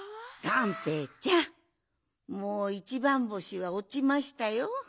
がんぺーちゃんもういちばんぼしはおちましたよ。